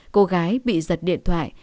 cô gái bị giật điện thoại